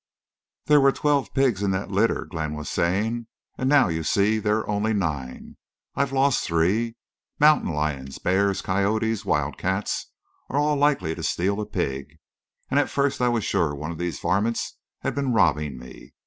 "There were twelve pigs in that litter," Glenn was saying, "and now you see there are only nine. I've lost three. Mountain lions, bears, coyotes, wild cats are all likely to steal a pig. And at first I was sure one of these varmints had been robbing me.